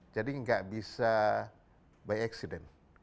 jadi nggak bisa by accident